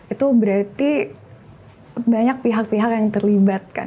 itu berarti banyak pihak pihak yang terlibat kan